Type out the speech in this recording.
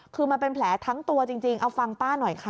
คือมันเป็นแผลทั้งตัวจริงเอาฟังป้าหน่อยค่ะ